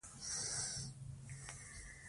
انګریزان پاڼو ته پراته دي.